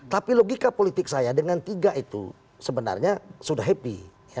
tapi logika politik saya dengan tiga itu sebenarnya sudah happy